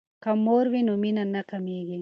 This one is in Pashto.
که مور وي نو مینه نه کمیږي.